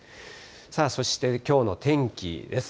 そしてきょうの天気です。